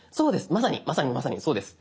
まさにまさにまさにそうです。